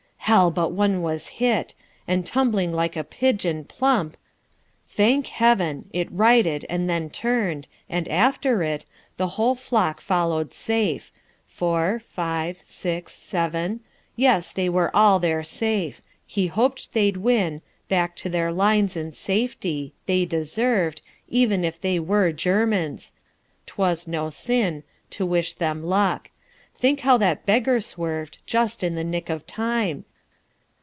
Hell! but one was hit, And tumbling like a pigeon, plump.... Thank Heaven, It righted, and then turned; and after it The whole flock followed safe four, five, six, seven, Yes, they were all there safe. He hoped they'd win Back to their lines in safety. They deserved, Even if they were Germans.... 'T was no sin To wish them luck. Think how that beggar swerved Just in the nick of time!